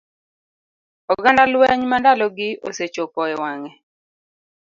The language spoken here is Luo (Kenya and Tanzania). Oganda lweny ma ndalogi osechopo e wang'e.